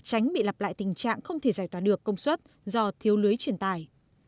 thì giải thoát được công suất do thiếu lưới truyền tài